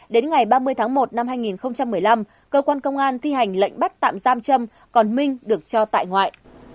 đến ngày ba mươi tháng một năm hai nghìn một mươi năm cơ quan công an thi hành lệnh bắt tạm giam trâm còn minh được cho tại ngoại